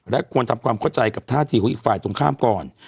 และควรทำความเข้าใจกับท่าทีของอีกฝ่ายตรงข้ามก่อน